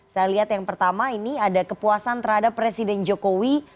saya lihat yang pertama ini ada kepuasan terhadap presiden jokowi